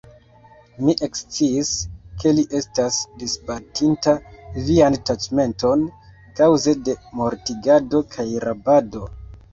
Mi eksciis, ke li estas disbatinta vian taĉmenton kaŭze de mortigado kaj rabado.